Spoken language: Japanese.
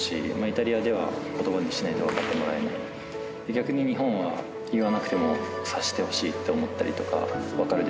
逆に日本は言わなくても察してほしいと思ったりとか「分かるでしょ」みたいな。